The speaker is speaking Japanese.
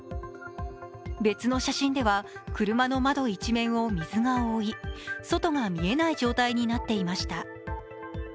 別の写真では車の窓一面を水が覆い外が見えない状態になっていました。